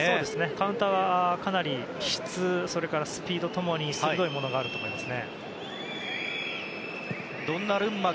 カウンターは、質それから、スピードともに鋭いものがあるとも思います。